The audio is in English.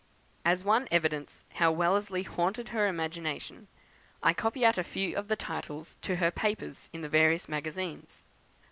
As one evidence how Wellesley haunted her imagination, I copy out a few of the titles to her papers in the various magazines.